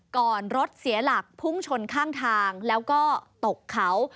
รถเสียหลักพุ่งชนข้างทางแล้วก็ตกเขา